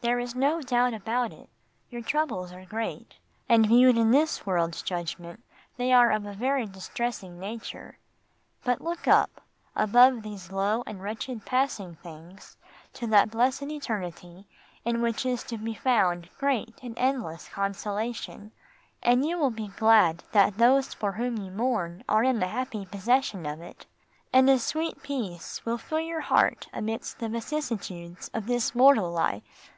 There is no doubt about it, your troubles are great, and viewed in this world's judgement they are of a very distressing nature. But look up, above these low and wretched passing things, to that blessed eternity in which is to be found great and endless consolation, and you will be glad that those for whom you mourn are in the happy possession of it, and a sweet peace will fill your heart amidst the vicissitudes of this mortal life.